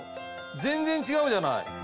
全然違うじゃない。